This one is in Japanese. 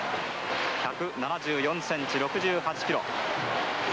１７４ｃｍ６８ｋｇ。